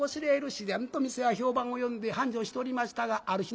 自然と店は評判を呼んで繁盛しておりましたがある日のこと。